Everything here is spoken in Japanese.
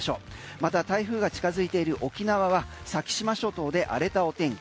また台風が近づいている沖縄は先島諸島で荒れたお天気。